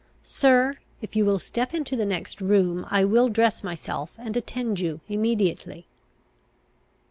Sir, if you will step into the next room, I will dress myself, and attend you immediately."